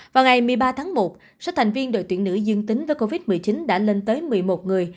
vào ngày một mươi ba tháng một số thành viên đội tuyển nữ dương tính với covid một mươi chín đã lên tới một mươi một người